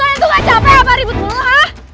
kalian tuh ga capek apa ribet mulu ha